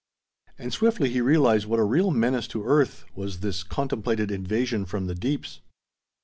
And swiftly he realized what a real menace to the earth, was this contemplated invasion from the deeps.